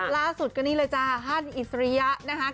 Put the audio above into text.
ล่าสุดก็นี่เลยจ้าฮั่นอิสริยะนะคะ